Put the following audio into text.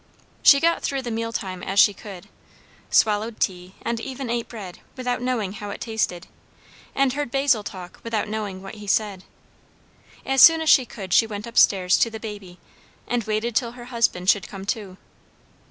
She got through the meal time as she could; swallowed tea, and even ate bread, without knowing how it tasted, and heard Basil talk without knowing what he said. As soon as she could she went up stairs to the baby, and waited till her husband should come too.